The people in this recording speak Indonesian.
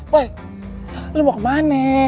poh lo mau kemana